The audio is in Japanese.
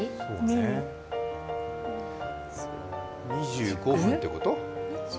２５分てこと？